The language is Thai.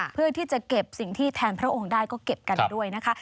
เพื่อที่จะเก็บสิ่งที่แทนพระองค์ได้ก็เก็บกันด้วยนะคะ